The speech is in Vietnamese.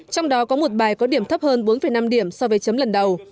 trong đó có một bài có điểm thấp hơn bốn năm điểm so với chấm lần đầu